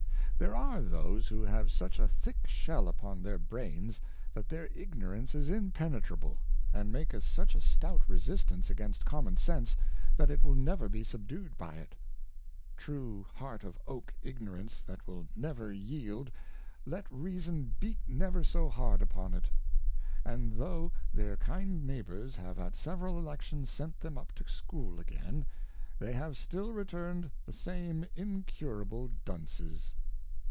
There are those who have such a thick Shell upon their Brains, that their Ignorance is impenetrable, and maketh such a stout resistance against Common Sense, that it will never be subdued by it : True Heart of Oak Ignorance that will never yield, let Reason beat never so hard upon it ; and though their kind Neighbours have at several Elections sent them up to School again, they have still return'd the same incurable Dunces.